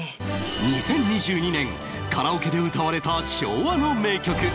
２０２２年カラオケで歌われた昭和の名曲